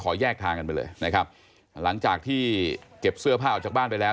แยกทางกันไปเลยนะครับหลังจากที่เก็บเสื้อผ้าออกจากบ้านไปแล้ว